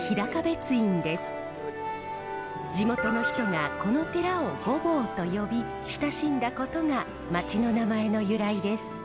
地元の人がこの寺を御坊と呼び親しんだことが町の名前の由来です。